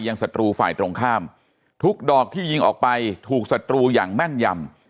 ศัตรูฝ่ายตรงข้ามทุกดอกที่ยิงออกไปถูกศัตรูอย่างแม่นยำ